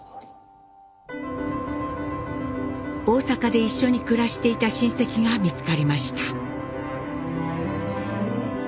大阪で一緒に暮らしていた親戚が見つかりました。